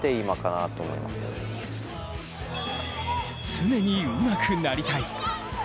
常にうまくなりたい。